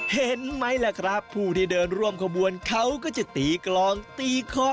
เห็นไหมล่ะครับผู้ที่เดินร่วมขบวนเขาก็จะตีกลองตีคอ